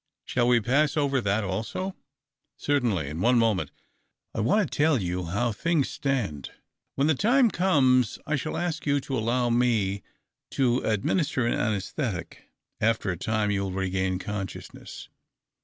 " Shall we pass over that also ?"" Certainly, in one moment, I want to tell you how tliiugs stand. AVlien the time comes I shall ask you to allow me to ad minister an au aesthetic. After a time you will regain consciousness.